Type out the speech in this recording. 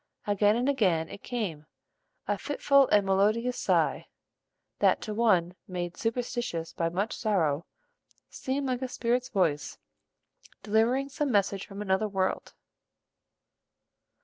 Again and again it came, a fitful and melodious sigh, that to one made superstitious by much sorrow, seemed like a spirit's voice delivering some message from another world.